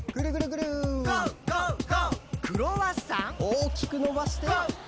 「クロワッサンＧＯＧＯＧＯ」おおきくのばして。